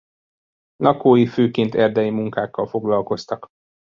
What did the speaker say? Lakói főként erdei munkákkal foglalkoztak.